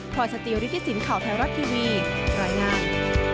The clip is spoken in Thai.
พรสติวฤทธิสินทร์ข่าวแพลวรัสท์ทีวีรายงาน